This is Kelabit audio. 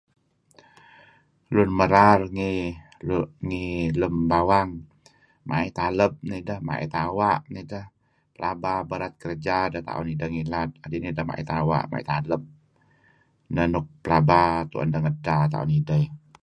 Lun merar ngi lem bawang ma'it aleb nideh, ma'it awa' nideh, laba berat kerja deh ta'on deh ngilad, kadi' nideh ma'it awa', ma'it aleb, neh nuk pelaba tu'en deh ngedta ta'on ideh.